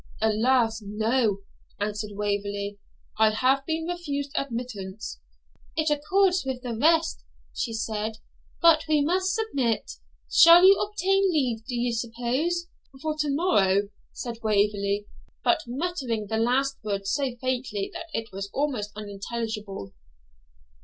'Alas, no,' answered Waverley, 'I have been refused admittance.' 'It accords with the rest,' she said; 'but we must submit. Shall you obtain leave, do you suppose?' 'For for tomorrow,' said Waverley; but muttering the last word so faintly that it was almost unintelligible.